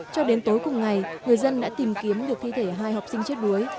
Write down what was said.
cho đến tối cùng ngày người dân đã tìm kiếm được thi thể hai học sinh chết đuối